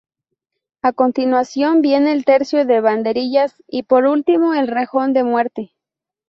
A continuación viene el tercio de banderillas y, por último, el rejón de muerte.